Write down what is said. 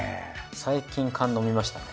最近燗飲みましたね。